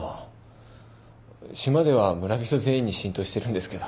島では村人全員に浸透してるんですけど。